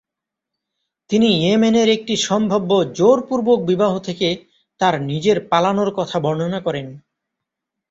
তিনি ইয়েমেনের একটি সম্ভাব্য জোরপূর্বক বিবাহ থেকে তার নিজের পালানোর কথা বর্ণনা করেন।